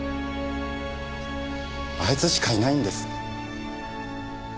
あいつしかいないんです。